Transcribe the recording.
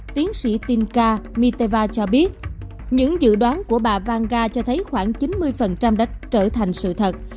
tiến sĩ tin ca miteva cho biết những dự đoán của bà vanga cho thấy khoảng chín mươi đã trở thành sự thật